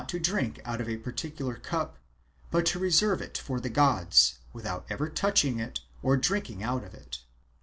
to drink out of a particular cup, but to reserve it for the gods, without ever touching it or drinking out of it.